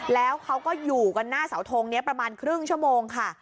แล้วเขาก็อยู่กันหน้าเสาทงนี้ประมาณครึ่งชั่วโมงค่ะ